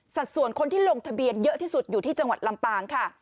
ส่วนคนที่ลงทะเบียนเยอะที่สุดอยู่ที่จังหวัดลำปางค่ะ